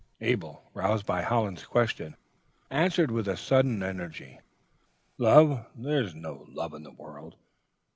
"Abel, roused by Hollins' question, answered, with a sudden energy: "'Love! there is no love in the world.